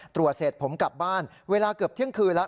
ตรวจเสร็จผมกลับบ้านเวลาเกือบเที่ยงคืนแล้ว